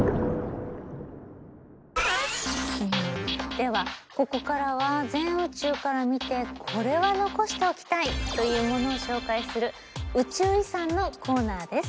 ではここからは全宇宙から見てこれは残しておきたいというものを紹介する宇宙遺産のコーナーです。